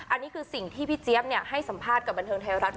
อันนี้สิ่งที่พี่เจ๊บเนี่ยให้สัมภาษณ์กับบรรเทิงไทยรัฐ